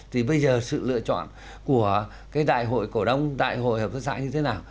thì bây giờ sự lựa chọn của cái đại hội cổ đông đại hội hợp tác xã như thế nào